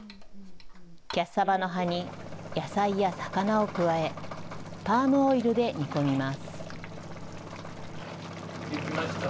キャッサバの葉に、野菜や魚を加え、パームオイルで煮込みます。